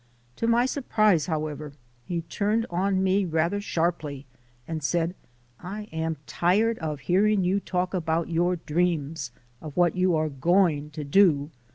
To my surprise, however, he turned on me rather sharply, and said, "I am tired of hear ing you talk about your dreams, of what you are goi/ng to do.